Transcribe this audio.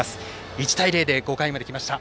１対０で５回まできました。